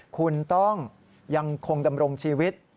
คุณต้องยังคงดำรงชีวิต